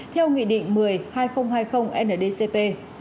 theo nghị định một mươi hai nghìn hai mươi ndcp